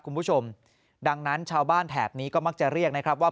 คุณผู้ชมดังนั้นชาวบ้านแถบนี้ก็มักจะเรียกนะครับว่า